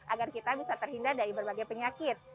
agar kita bisa terhindar dari berbagai penyakit